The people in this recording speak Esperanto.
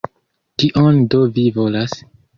Kion do vi volas?